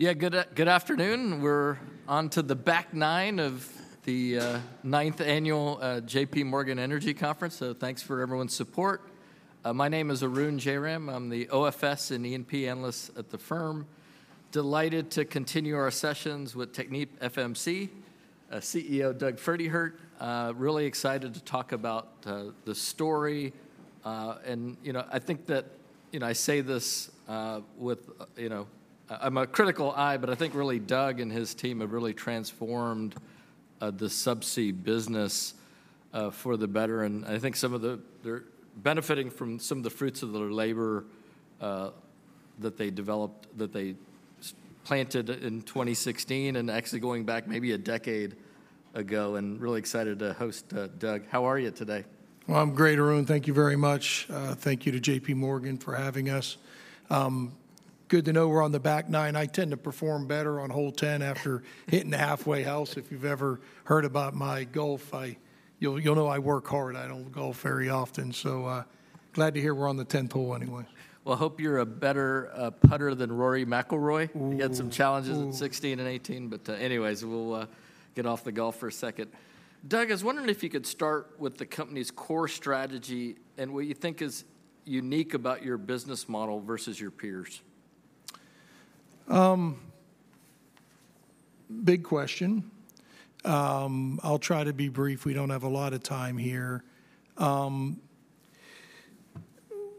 Yeah, good afternoon. We're onto the back nine of the Ninth Annual JPMorgan Energy Conference, so thanks for everyone's support. My name is Arun Jayaram. I'm the OFS and E&P analyst at the firm. Delighted to continue our sessions with TechnipFMC CEO, Doug Pferdehirt. Really excited to talk about the story. You know, I think that, you know, I say this with, you know... I'm a critical eye, but I think really Doug and his team have really transformed the subsea business for the better, and I think some of they're benefiting from some of the fruits of their labor that they developed that they planted in 2016, and actually going back maybe a decade ago, and really excited to host Doug. How are you today? Well, I'm great, Arun, thank you very much. Thank you to JPMorgan for having us. Good to know we're on the back nine. I tend to perform better on hole 10 after hitting the halfway house. If you've ever heard about my golf, you'll, you'll know I work hard, I don't golf very often. Glad to hear we're on the 10th hole anyway. Well, I hope you're a better putter than Rory McIlroy. Ooh. He had some challenges at 16 and 18, but, anyways, we'll get off the golf for a second. Doug, I was wondering if you could start with the company's core strategy and what you think is unique about your business model versus your peers. Big question. I'll try to be brief. We don't have a lot of time here.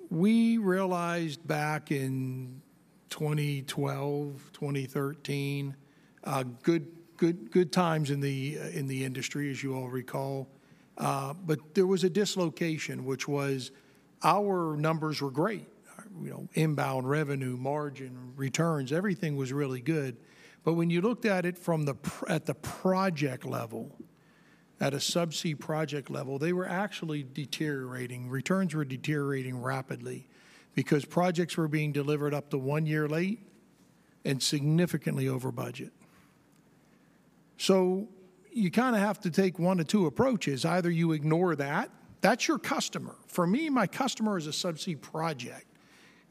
We realized back in 2012, 2013, good, good, good times in the industry, as you all recall. But there was a dislocation, which was our numbers were great. You know, inbound revenue, margin, returns, everything was really good. But when you looked at it from the project level, at a subsea project level, they were actually deteriorating. Returns were deteriorating rapidly because projects were being delivered up to one year late and significantly over budget. So you kind of have to take one of two approaches. Either you ignore that. That's your customer. For me, my customer is a subsea project.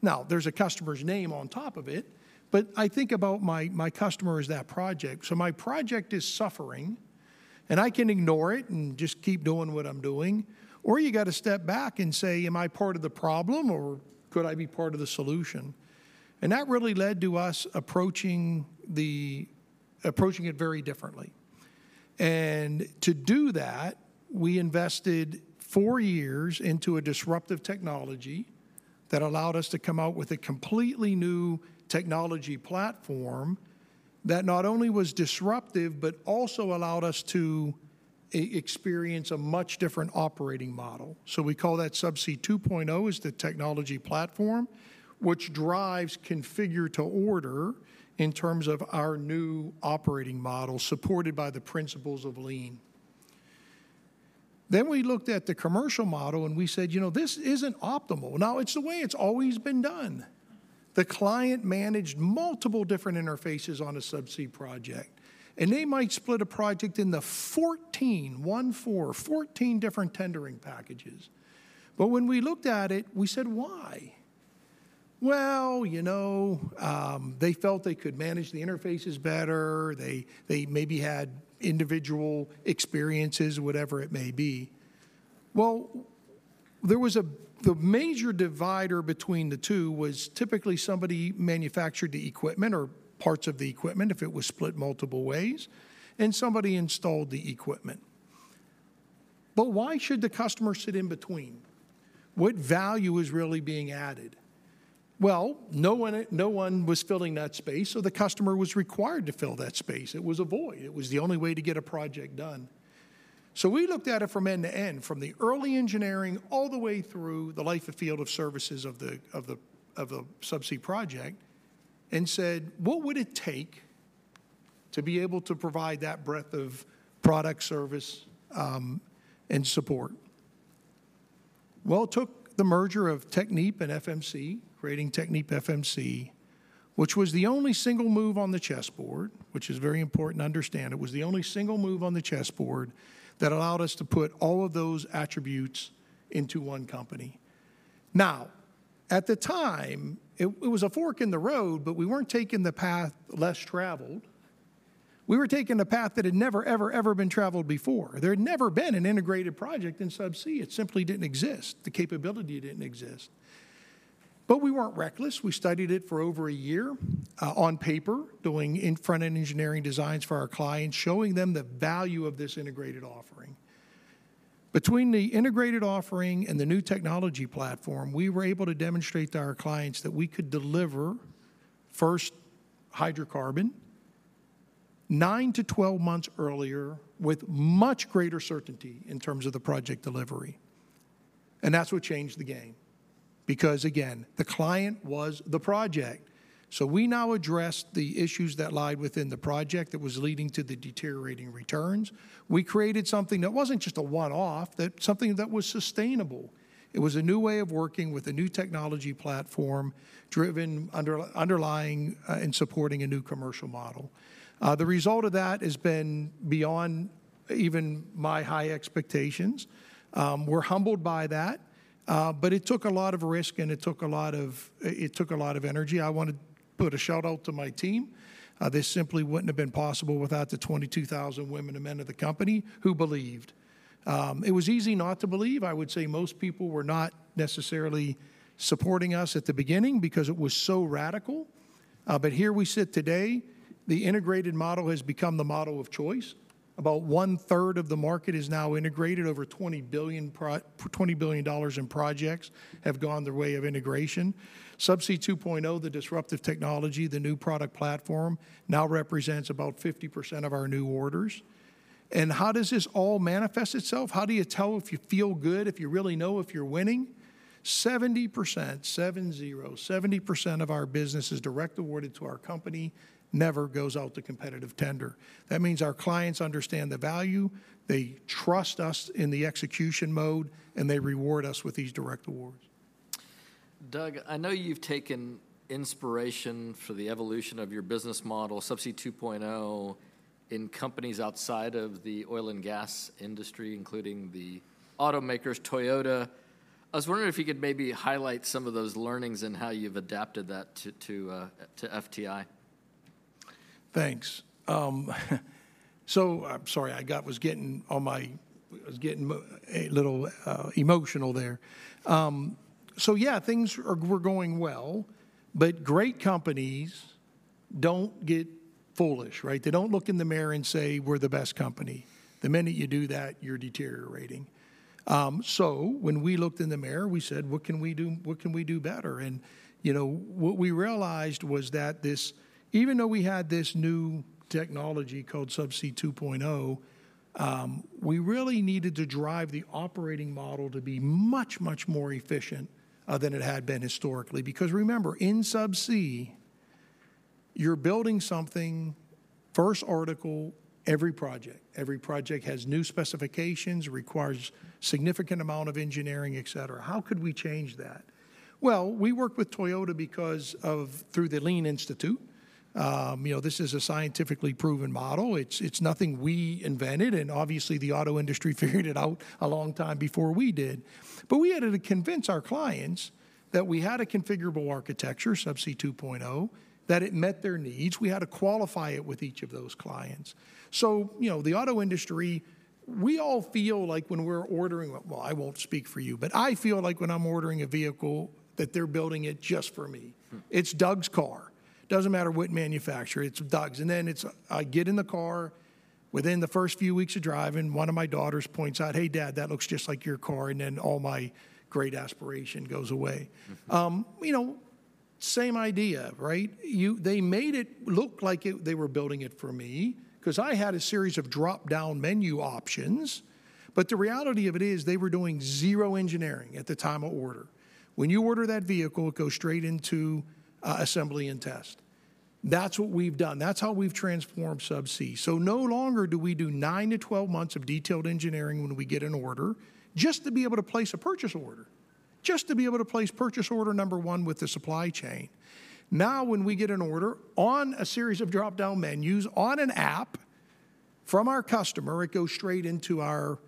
Now, there's a customer's name on top of it, but I think about my, my customer as that project. So my project is suffering, and I can ignore it and just keep doing what I'm doing, or you gotta step back and say, "Am I part of the problem, or could I be part of the solution?" And that really led to us approaching it very differently. And to do that, we invested four years into a disruptive technology that allowed us to come out with a completely new technology platform that not only was disruptive but also allowed us to experience a much different operating model. So we call that Subsea 2.0 is the technology platform, which drives Configure to Order in terms of our new operating model, supported by the principles of Lean. Then we looked at the commercial model, and we said, "You know, this isn't optimal." Now, it's the way it's always been done. The client managed multiple different interfaces on a subsea project, and they might split a project into 14, one-four, 14 different tendering packages. But when we looked at it, we said, "Why?" Well, you know, they felt they could manage the interfaces better. They, they maybe had individual experiences, whatever it may be. Well, there was the major divider between the two was typically somebody manufactured the equipment or parts of the equipment if it was split multiple ways, and somebody installed the equipment. But why should the customer sit in between? What value is really being added? Well, no one, no one was filling that space, so the customer was required to fill that space. It was a void. It was the only way to get a project done. So we looked at it from end to end, from the early engineering all the way through the life of field services of the subsea project, and said, "What would it take to be able to provide that breadth of product service, and support?" Well, it took the merger of Technip and FMC, creating TechnipFMC, which was the only single move on the chessboard, which is very important to understand. It was the only single move on the chessboard that allowed us to put all of those attributes into one company. Now, at the time, it, it was a fork in the road, but we weren't taking the path less traveled. We were taking the path that had never, ever, ever been traveled before. There had never been an integrated project in subsea. It simply didn't exist. The capability didn't exist. But we weren't reckless. We studied it for over a year, on paper, doing front-end engineering designs for our clients, showing them the value of this integrated offering. Between the integrated offering and the new technology platform, we were able to demonstrate to our clients that we could deliver first hydrocarbon nine to 12 months earlier with much greater certainty in terms of the project delivery, and that's what changed the game because, again, the client was the project. So we now addressed the issues that lied within the project that was leading to the deteriorating returns. We created something that wasn't just a one-off, that something that was sustainable. It was a new way of working with a new technology platform, driven, underlying, and supporting a new commercial model. The result of that has been beyond even my high expectations. We're humbled by that, but it took a lot of risk, and it took a lot of energy. I wanna put a shout-out to my team. This simply wouldn't have been possible without the 22,000 women and men of the company who believed. It was easy not to believe. I would say most people were not necessarily supporting us at the beginning because it was so radical. But here we sit today, the integrated model has become the model of choice. About 1/3 of the market is now integrated. Over $20 billion in projects have gone the way of integration. Subsea 2.0, the disruptive technology, the new product platform, now represents about 50% of our new orders. And how does this all manifest itself? How do you tell if you feel good, if you really know if you're winning? 70%, 70, 70% of our business is direct awarded to our company, never goes out to competitive tender. That means our clients understand the value, they trust us in the execution mode, and they reward us with these direct awards. Doug, I know you've taken inspiration for the evolution of your business model, Subsea 2.0, in companies outside of the oil and gas industry, including the automakers, Toyota. I was wondering if you could maybe highlight some of those learnings and how you've adapted that to TechnipFMC? Thanks. So... I'm sorry, I was getting a little emotional there. So yeah, things were going well, but great companies don't get foolish, right? They don't look in the mirror and say, "We're the best company." The minute you do that, you're deteriorating. So when we looked in the mirror, we said: What can we do? What can we do better? And, you know, what we realized was that this, even though we had this new technology called Subsea 2.0, we really needed to drive the operating model to be much, much more efficient than it had been historically. Because remember, in Subsea, you're building something first article, every project. Every project has new specifications, requires significant amount of engineering, et cetera. How could we change that? Well, we worked with Toyota because of... Through the Lean Institute. You know, this is a scientifically proven model. It's nothing we invented, and obviously, the auto industry figured it out a long time before we did. But we had to convince our clients that we had a configurable architecture, Subsea 2.0, that it met their needs. We had to qualify it with each of those clients. So, you know, the auto industry, we all feel like when we're ordering a—well, I won't speak for you, but I feel like when I'm ordering a vehicle, that they're building it just for me. Hmm. It's Doug's car. Doesn't matter what manufacturer, it's Doug's. And then it's, I get in the car, within the first few weeks of driving, one of my daughters points out, "Hey, Dad, that looks just like your car," and then all my great aspiration goes away. You know, same idea, right? They made it look like it, they were building it for me, 'cause I had a series of drop-down menu options, but the reality of it is, they were doing zero engineering at the time of order. When you order that vehicle, it goes straight into assembly and test. That's what we've done. That's how we've transformed Subsea. So no longer do we do nine to 12 months of detailed engineering when we get an order, just to be able to place a purchase order, just to be able to place purchase order number one with the supply chain. Now, when we get an order on a series of drop-down menus on an app from our customer, it goes straight into our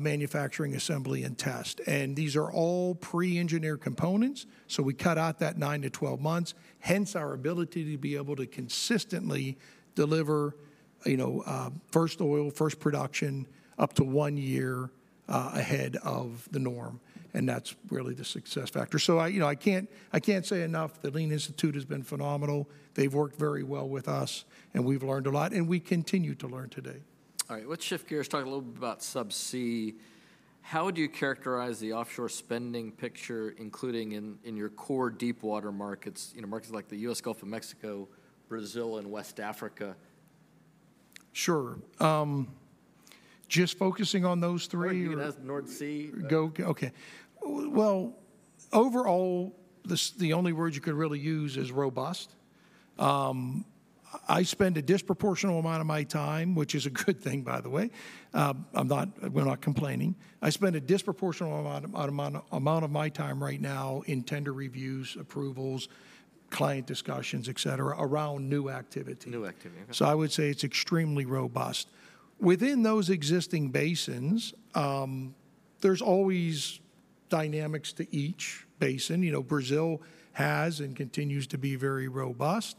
manufacturing, assembly, and test, and these are all pre-engineered components, so we cut out that nine to 12 months, hence our ability to be able to consistently deliver, you know, first oil, first production, up to one year ahead of the norm, and that's really the success factor. So I, you know, I can't, I can't say enough, the Lean Institute has been phenomenal. They've worked very well with us, and we've learned a lot, and we continue to learn today. All right, let's shift gears, talk a little bit about Subsea. How would you characterize the offshore spending picture, including in your core deepwater markets, you know, markets like the U.S. Gulf of Mexico, Brazil, and West Africa? Sure. Just focusing on those three? You can add North Sea. Okay. Well, overall, the only word you could really use is robust. I spend a disproportional amount of my time, which is a good thing, by the way. I'm not, we're not complaining. I spend a disproportional amount of my time right now in tender reviews, approvals, client discussions, et cetera, around new activity. New activity. So I would say it's extremely robust. Within those existing basins, there's always dynamics to each basin. You know, Brazil has and continues to be very robust.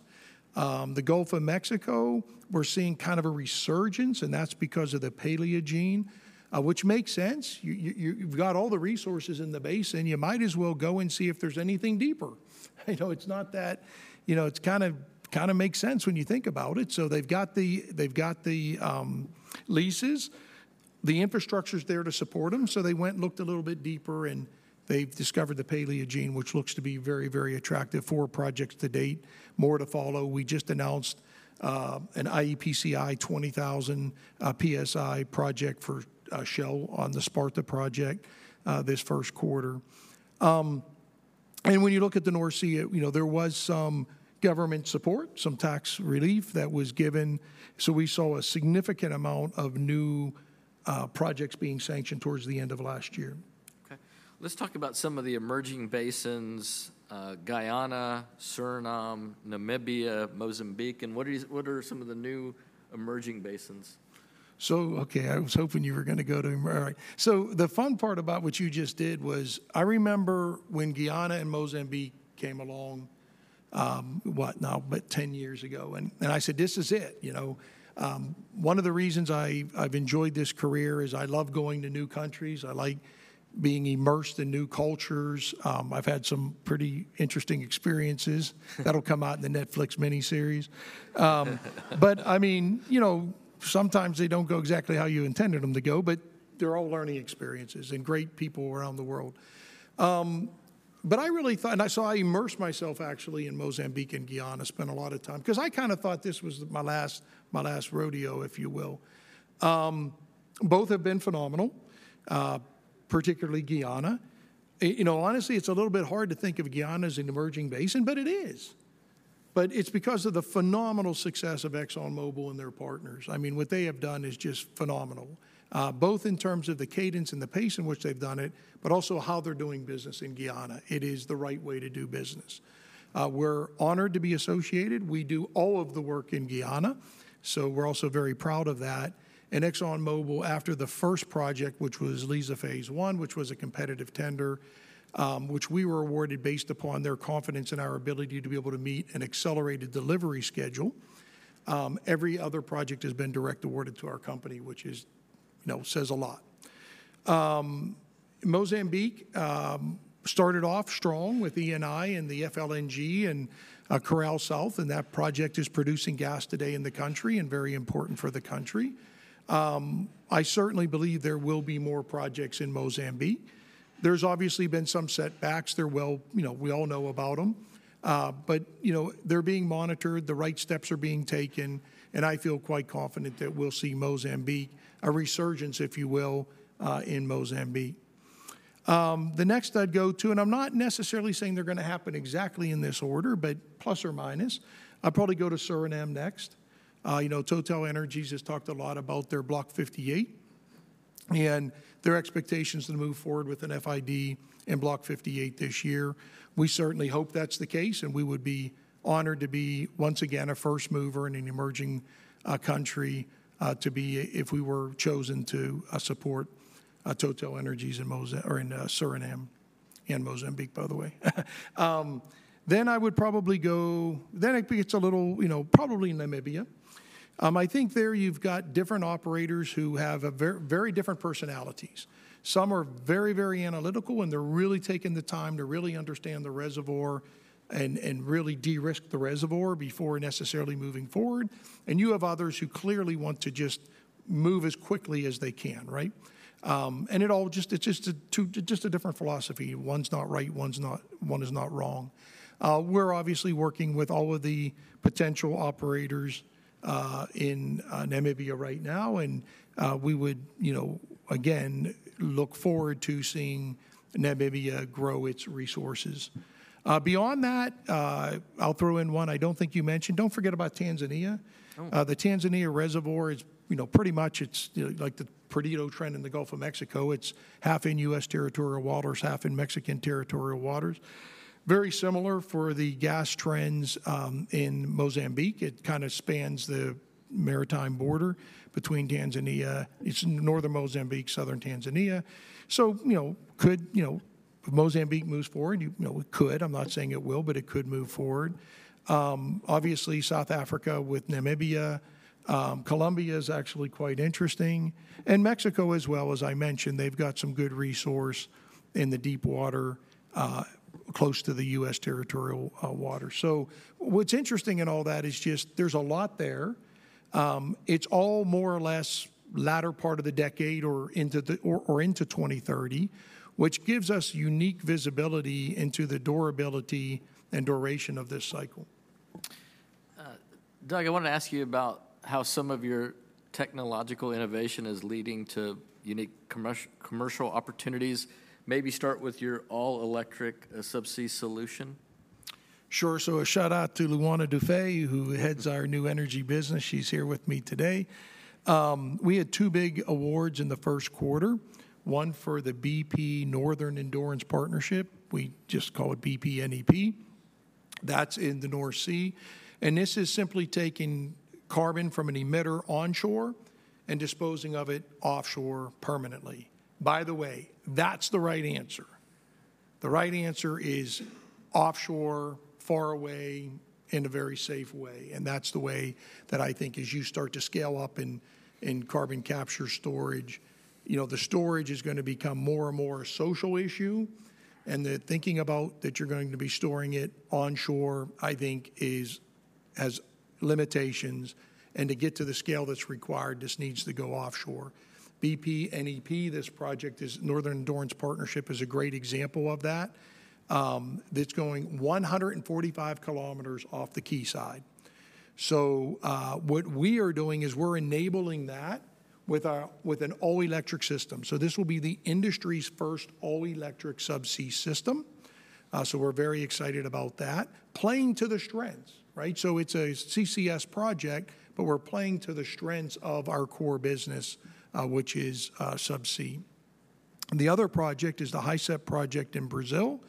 The Gulf of Mexico, we're seeing kind of a resurgence, and that's because of the Paleogene, which makes sense. You've got all the resources in the basin, you might as well go and see if there's anything deeper. You know, it's not that... You know, it kind of makes sense when you think about it. So they've got the leases. The infrastructure's there to support them, so they went and looked a little bit deeper, and they've discovered the Paleogene, which looks to be very, very attractive for projects to date. More to follow. We just announced an iEPCI 20,000 psi project for Shell on the Sparta project this first quarter. And when you look at the North Sea, you know, there was some government support, some tax relief that was given, so we saw a significant amount of new projects being sanctioned towards the end of last year. ... Let's talk about some of the emerging basins, Guyana, Suriname, Namibia, Mozambique, and what are some of the new emerging basins? So, okay, I was hoping you were gonna go to America. So the fun part about what you just did was, I remember when Guyana and Mozambique came along, what, now, about 10 years ago, and, and I said, "This is it," you know? One of the reasons I've enjoyed this career is I love going to new countries. I like being immersed in new cultures. I've had some pretty interesting experiences-that'll come out in the Netflix miniseries. But I mean, you know, sometimes they don't go exactly how you intended them to go, but they're all learning experiences, and great people around the world. But I really thought... So I immersed myself, actually, in Mozambique and Guyana, spent a lot of time, 'cause I kind of thought this was my last, my last rodeo, if you will. Both have been phenomenal, particularly Guyana. You know, honestly, it's a little bit hard to think of Guyana as an emerging basin, but it is. But it's because of the phenomenal success of ExxonMobil and their partners. I mean, what they have done is just phenomenal, both in terms of the cadence and the pace in which they've done it, but also how they're doing business in Guyana. It is the right way to do business. We're honored to be associated. We do all of the work in Guyana, so we're also very proud of that. ExxonMobil, after the first project, which was Liza phase I, which was a competitive tender, which we were awarded based upon their confidence in our ability to be able to meet an accelerated delivery schedule, every other project has been direct awarded to our company, which is. You know, says a lot. Mozambique started off strong with Eni and the FLNG and, Coral South, and that project is producing gas today in the country and very important for the country. I certainly believe there will be more projects in Mozambique. There's obviously been some setbacks there. Well, you know, we all know about them. But, you know, they're being monitored, the right steps are being taken, and I feel quite confident that we'll see Mozambique, a resurgence, if you will, in Mozambique. The next I'd go to, and I'm not necessarily saying they're gonna happen exactly in this order, but plus or minus, I'd probably go to Suriname next. You know, TotalEnergies has talked a lot about their Block 58 and their expectations to move forward with an FID in Block 58 this year. We certainly hope that's the case, and we would be honored to be, once again, a first mover in an emerging country, to be, if we were chosen to support TotalEnergies in Mozambique or in Suriname and Mozambique, by the way. Then I would probably go... Then it gets a little, you know... Probably Namibia. I think there you've got different operators who have a very different personalities. Some are very, very analytical, and they're really taking the time to really understand the reservoir and really de-risk the reservoir before necessarily moving forward. And you have others who clearly want to just move as quickly as they can, right? And it all just, it's just too, just a different philosophy. One's not right. One's not wrong. We're obviously working with all of the potential operators in Namibia right now, and we would, you know, again, look forward to seeing Namibia grow its resources. Beyond that, I'll throw in one I don't think you mentioned. Don't forget about Tanzania. Oh. The Tanzania reservoir is, you know, pretty much, it's, you know, like the Perdido Trend in the Gulf of Mexico. It's half in U.S. territorial waters, half in Mexican territorial waters. Very similar for the gas trends in Mozambique. It kind of spans the maritime border between Tanzania... It's northern Mozambique, southern Tanzania. So, you know, could, you know, Mozambique moves forward? You know, it could. I'm not saying it will, but it could move forward. Obviously, South Africa with Namibia, Colombia is actually quite interesting, and Mexico as well. As I mentioned, they've got some good resource in the deep water, close to the U.S. territorial waters. So what's interesting in all that is just there's a lot there. It's all more or less latter part of the decade or into 2030, which gives us unique visibility into the durability and duration of this cycle. Doug, I want to ask you about how some of your technological innovation is leading to unique commercial opportunities. Maybe start with your all-electric subsea solution. Sure. So a shout-out to Luana Duffé, who heads our New Energy business. She's here with me today. We had two big awards in the first quarter, one for the BP Northern Endurance Partnership. We just call it BP NEP. That's in the North Sea, and this is simply taking carbon from an emitter onshore and disposing of it offshore permanently. By the way, that's the right answer. The right answer is offshore, far away, in a very safe way, and that's the way that I think as you start to scale up in, in carbon capture storage, you know, the storage is gonna become more and more a social issue, and the thinking about that you're going to be storing it onshore, I think is, has limitations, and to get to the scale that's required, this needs to go offshore. BP NEP, Northern Endurance Partnership is a great example of that. That's going 145 kilometers off the quayside. So, what we are doing is we're enabling that with an all-electric system. So this will be the industry's first all-electric subsea system. So we're very excited about that. Playing to the strengths, right? So it's a CCS project, but we're playing to the strengths of our core business, which is subsea. The other project is the HISEP project in Brazil,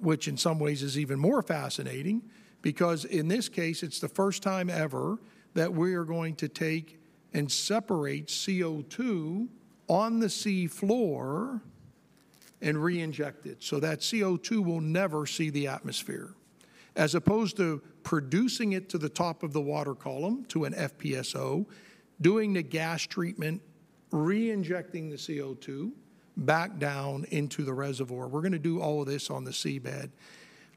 which in some ways is even more fascinating, because in this case, it's the first time ever that we are going to take and separate CO2 on the sea floor and reinject it, so that CO2 will never see the atmosphere. As opposed to producing it to the top of the water column, to an FPSO, doing the gas treatment, reinjecting the CO2 back down into the reservoir. We're gonna do all of this on the seabed.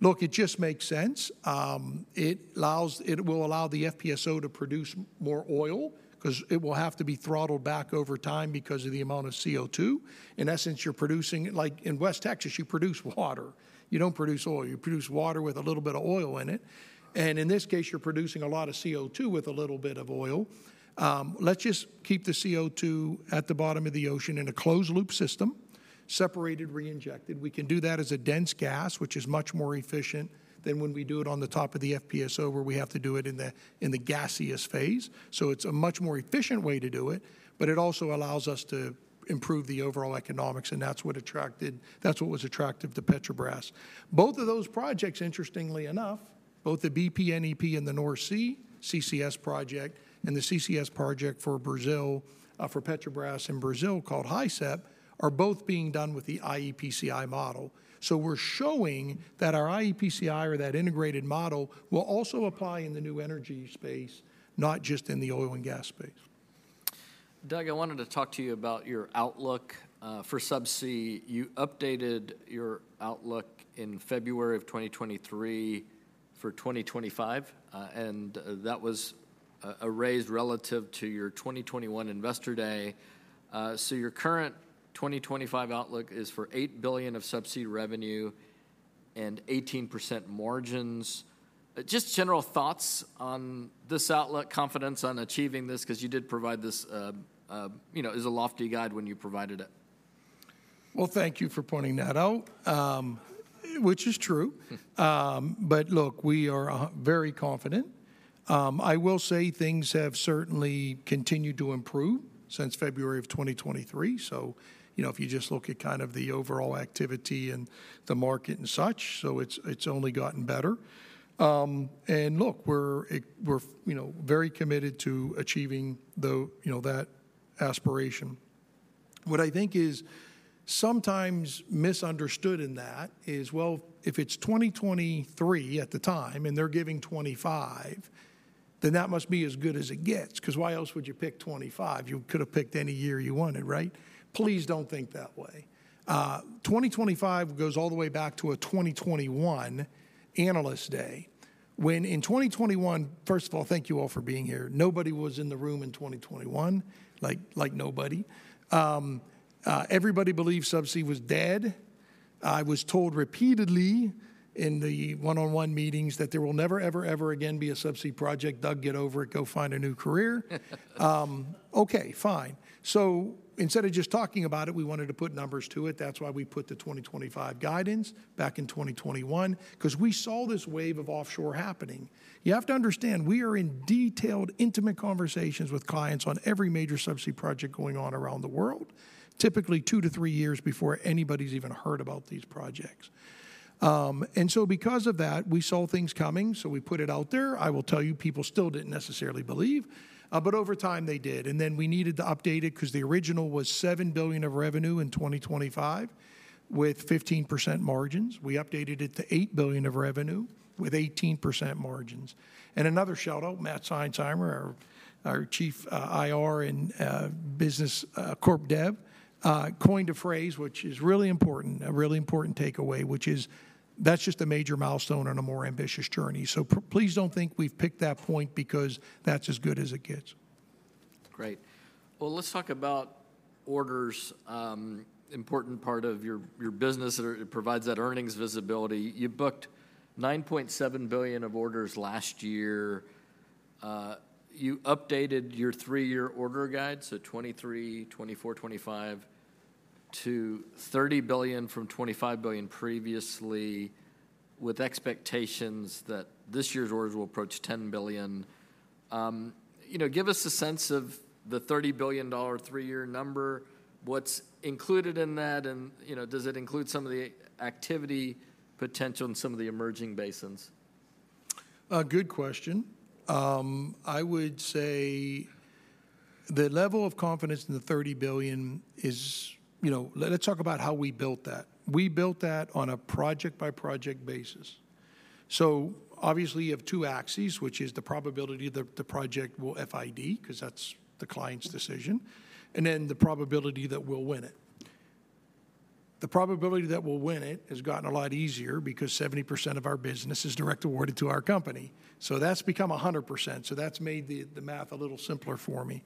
Look, it just makes sense. It allows, it will allow the FPSO to produce more oil, 'cause it will have to be throttled back over time because of the amount of CO2. In essence, you're producing... Like in West Texas, you produce water, you don't produce oil. You produce water with a little bit of oil in it, and in this case, you're producing a lot of CO2 with a little bit of oil. Let's just keep the CO2 at the bottom of the ocean in a closed-loop system, separated, reinjected. We can do that as a dense gas, which is much more efficient than when we do it on the top of the FPSO, where we have to do it in the gaseous phase. So it's a much more efficient way to do it, but it also allows us to improve the overall economics, and that's what attracted, that's what was attractive to Petrobras. Both of those projects, interestingly enough, both the BP NEP in the North Sea CCS project and the CCS project for Brazil, for Petrobras in Brazil, called HISEP, are both being done with the iEPCI model. So we're showing that our iEPCI, or that integrated model, will also apply in the New Energy space, not just in the oil and gas space. Doug, I wanted to talk to you about your outlook for subsea. You updated your outlook in February of 2023 for 2025, and that was a raise relative to your 2021 Investor Day. So your current 2025 outlook is for $8 billion of subsea revenue and 18% margins. Just general thoughts on this outlook, confidence on achieving this, 'cause you did provide this... You know, it was a lofty guide when you provided it. Well, thank you for pointing that out, which is true. But look, we are very confident. I will say things have certainly continued to improve since February of 2023, so, you know, if you just look at kind of the overall activity in the market and such, so it's only gotten better. And look, we're very committed to achieving the, you know, that aspiration. What I think is sometimes misunderstood in that is, well, if it's 2023 at the time, and they're giving 2025, then that must be as good as it gets, 'cause why else would you pick 2025? You could've picked any year you wanted, right? Please don't think that way. 2025 goes all the way back to a 2021 Analyst Day, when in 2021... First of all, thank you all for being here. Nobody was in the room in 2021, like, like nobody. Everybody believed subsea was dead. I was told repeatedly in the one-on-one meetings that, "There will never, ever, ever again be a subsea project. Doug, get over it. Go find a new career." Okay, fine. So instead of just talking about it, we wanted to put numbers to it. That's why we put the 2025 guidance back in 2021, 'cause we saw this wave of offshore happening. You have to understand, we are in detailed, intimate conversations with clients on every major subsea project going on around the world, typically two to three years before anybody's even heard about these projects. And so because of that, we saw things coming, so we put it out there. I will tell you, people still didn't necessarily believe, but over time they did. Then we needed to update it, 'cause the original was $7 billion of revenue in 2025, with 15% margins. We updated it to $8 billion of revenue with 18% margins. And another shout-out, Matt Seinsheimer, our chief IR and business corp dev, coined a phrase which is really important, a really important takeaway, which is: "That's just a major milestone on a more ambitious journey." So please don't think we've picked that point because that's as good as it gets. Great. Well, let's talk about orders. Important part of your business, it provides that earnings visibility. You booked $9.7 billion of orders last year. You updated your three-year order guide, so 2023, 2024, 2025, to $30 billion from $25 billion previously, with expectations that this year's orders will approach $10 billion. You know, give us a sense of the $30 billion three-year number, what's included in that, and, you know, does it include some of the activity potential in some of the emerging basins? Good question. I would say the level of confidence in the $30 billion is. You know, let's talk about how we built that. We built that on a project-by-project basis. So obviously, you have two axes, which is the probability that the project will FID, 'cause that's the client's decision, and then the probability that we'll win it. The probability that we'll win it has gotten a lot easier, because 70% of our business is direct awarded to our company, so that's become 100%, so that's made the math a little simpler for me.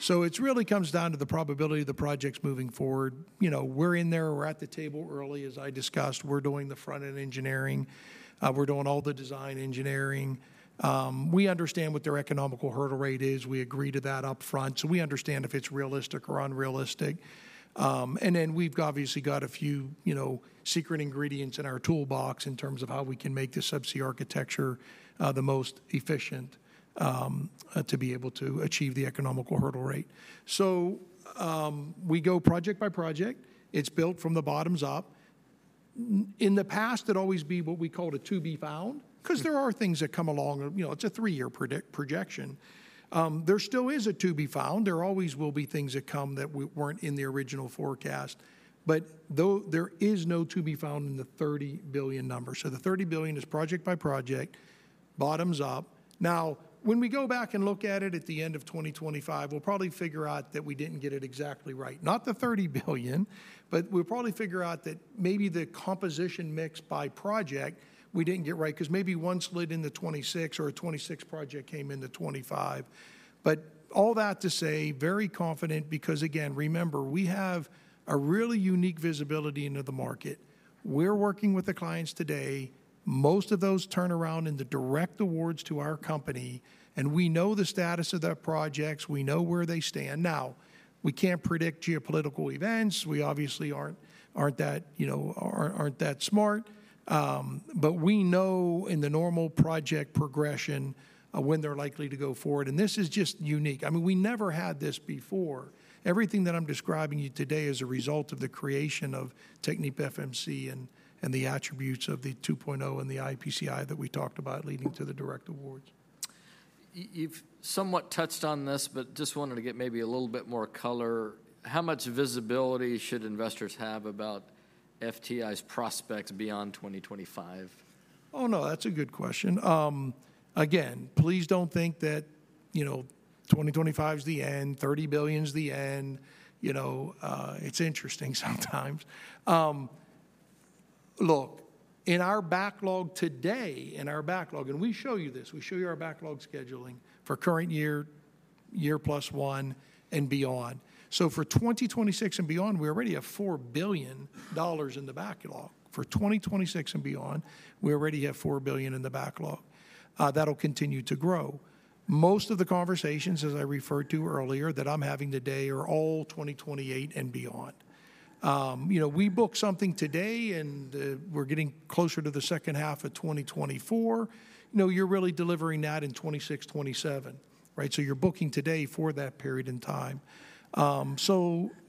So it's really comes down to the probability of the projects moving forward. You know, we're in there, we're at the table early, as I discussed. We're doing the front-end engineering. We're doing all the design engineering. We understand what their economic hurdle rate is. We agree to that up front, so we understand if it's realistic or unrealistic. And then we've obviously got a few, you know, secret ingredients in our toolbox in terms of how we can make the subsea architecture, the most efficient, to be able to achieve the economical hurdle rate. So, we go project by project. It's built from the bottoms up.... In the past, it'd always be what we called a to-be-found, 'cause there are things that come along and, you know, it's a three-year projection. There still is a to-be-found. There always will be things that come that we weren't in the original forecast, but though there is no to-be-found in the $30 billion number. So the $30 billion is project by project, bottoms up. Now, when we go back and look at it at the end of 2025, we'll probably figure out that we didn't get it exactly right. Not the $30 billion, but we'll probably figure out that maybe the composition mix by project we didn't get right, 'cause maybe one slid into 2026 or a 2026 project came into 2025. But all that to say, very confident, because again, remember, we have a really unique visibility into the market. We're working with the clients today. Most of those turn around in the direct awards to our company, and we know the status of their projects, we know where they stand. Now, we can't predict geopolitical events. We obviously aren't that, you know, smart. But we know in the normal project progression, when they're likely to go forward, and this is just unique. I mean, we never had this before. Everything that I'm describing to you today is a result of the creation of TechnipFMC and the attributes of the 2.0 and the iEPCI that we talked about leading to the direct awards. You've somewhat touched on this, but just wanted to get maybe a little bit more color. How much visibility should investors have about FTI's prospects beyond 2025? Oh, no, that's a good question. Again, please don't think that, you know, 2025 is the end, $30 billion is the end. You know, it's interesting sometimes. Look, in our backlog today, in our backlog, and we show you this, we show you our backlog scheduling for current year, year plus one, and beyond. So for 2026 and beyond, we already have $4 billion in the backlog. For 2026 and beyond, we already have $4 billion in the backlog. That'll continue to grow. Most of the conversations, as I referred to earlier, that I'm having today, are all 2028 and beyond. You know, we book something today, and, we're getting closer to the second half of 2024, you know, you're really delivering that in 2026, 2027, right? So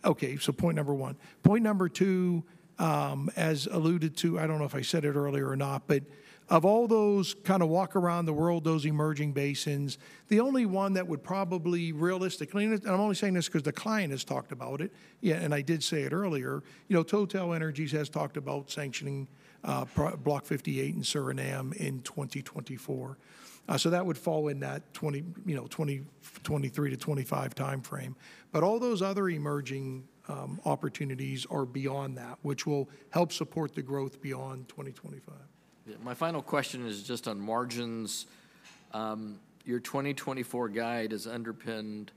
okay, so point number one. Point number two, as alluded to, I don't know if I said it earlier or not, but of all those kind of walk around the world, those emerging basins, the only one that would probably realistically, and, and I'm only saying this 'cause the client has talked about it, yeah, and I did say it earlier, you know, TotalEnergies has talked about sanctioning Block 58 in Suriname in 2024. So that would fall in that 20, you know, 2023 to 2025 timeframe. But all those other emerging opportunities are beyond that, which will help support the growth beyond 2025. Yeah, my final question is just on margins. Your 2024 guide is underpinned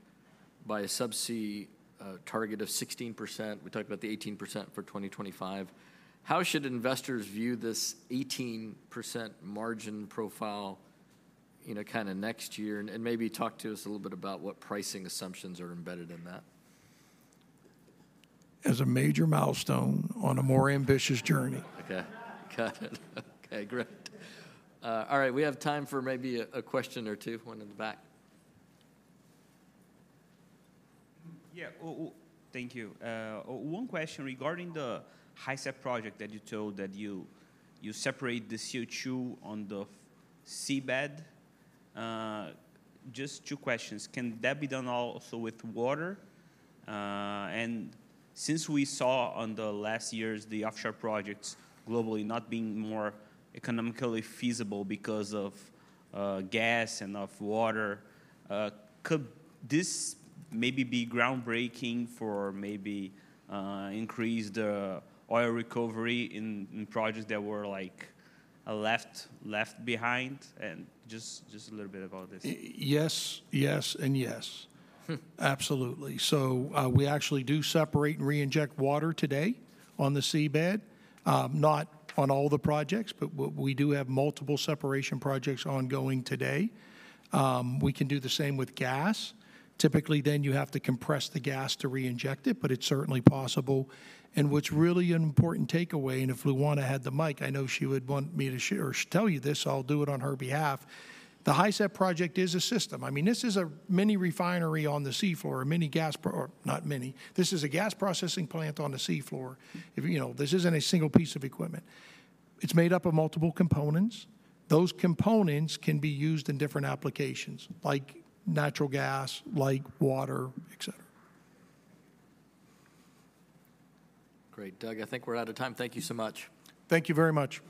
by a Subsea target of 16%. We talked about the 18% for 2025. How should investors view this 18% margin profile in a kind of next year? And maybe talk to us a little bit about what pricing assumptions are embedded in that. As a major milestone on a more ambitious journey. Okay. Got it. Okay, great. All right, we have time for maybe a question or two. One in the back. Yeah. Well, thank you. One question regarding the HISEP project that you told that you separate the CO2 on the seabed. Just two questions: Can that be done also with water? And since we saw on the last years, the offshore projects globally not being more economically feasible because of gas and of water, could this maybe be groundbreaking for maybe increase the oil recovery in projects that were, like, left behind? And just a little bit about this. Yes, yes, and yes. Absolutely. So, we actually do separate and reinject water today on the seabed. Not on all the projects, but we do have multiple separation projects ongoing today. We can do the same with gas. Typically, then, you have to compress the gas to reinject it, but it's certainly possible. And what's really an important takeaway, and if Luana had the mic, I know she would want me to share or tell you this, so I'll do it on her behalf, the HISEP project is a system. I mean, this is a mini refinery on the sea floor, a mini gas or not mini, this is a gas processing plant on the sea floor. If, you know, this isn't a single piece of equipment. It's made up of multiple components. Those components can be used in different applications, like natural gas, like water, et cetera. Great, Doug, I think we're out of time. Thank you so much. Thank you very much.